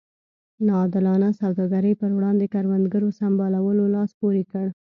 نا عادلانه سوداګرۍ پر وړاندې کروندګرو سمبالولو لاس پورې کړ.